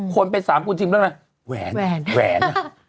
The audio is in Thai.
คนเป็น๓คุณทิมแล้วนะแหวน